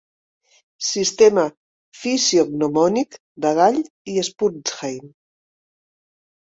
Sistema fisiognomònic de Gall i Spurzheim.